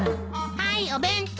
はいお弁当。